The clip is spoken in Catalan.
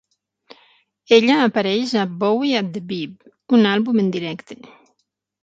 Ella apareix a "Bowie at the Beeb", un àlbum en directe.